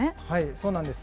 そうなんです。